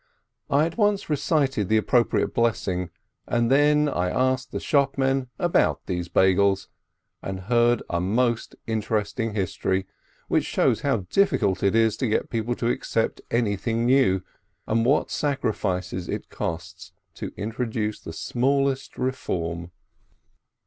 I at once recited the appro priate blessing, and then I asked the shopman about these Beigels, and heard a most interesting history, which shows how difficult it is to get people to accept anything new, and what sacrifices it costs to introduce the smallest reform.